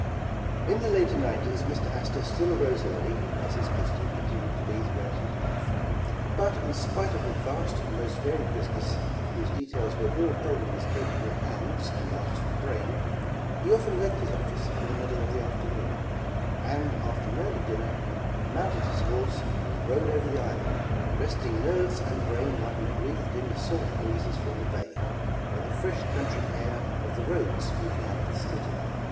'' In the later nineties Mr. Astor still arose early, as his custom continued to be through life; but in spite of a vast and most varied business, whose details were all held in his capable hands and masterful brain, he often left his office in the middle of the afternoon, and after an early dinner, mounted his horse and rode over 125 The Original John Jacob Astor the island, resting nerves and brain while he breathed in the salt breezes from the bay, or the fresh countrj air of the roads leading out of the city.